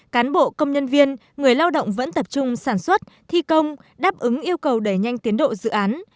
cán bộ công nhân viên người lao động vẫn tập trung sản xuất thi công đáp ứng yêu cầu đẩy nhanh tiến độ dự án